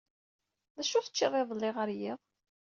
D acu teččiḍ iḍelli ɣer yiḍ?